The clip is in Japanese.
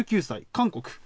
１９歳、韓国。